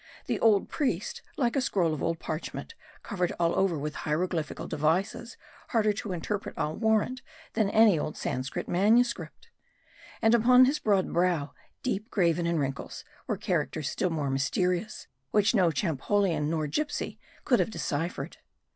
The old priest, like a scroll of old parchment, covered all over with hieroglyphical devices, harder to interpret, I'll warrant, than any old Sanscrit manuscript. And upon his broad brow, deep graven in wrinkles, were characters still more mysterious, which no Champollion nor gipsy could have deciphered.